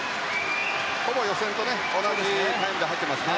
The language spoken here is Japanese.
ほぼ予選と同じタイムで入っていますね。